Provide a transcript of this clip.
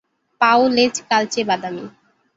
পা ও লেজ কালচে বাদামি।